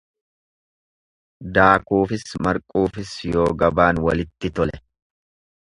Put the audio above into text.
Daakuufis marquufis yoo gabaan walitti tole.